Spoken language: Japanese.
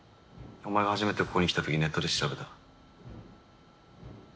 お前が初めてここに来た時ネットで調べた。